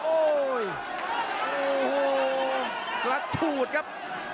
โอ้โหวันจริงครับ